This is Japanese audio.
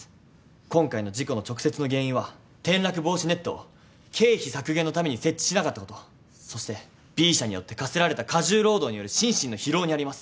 今回の事故の直接の原因は転落防止ネットを経費削減のために設置しなかったことそしてＢ社によって課せられた過重労働による心身の疲労にあります。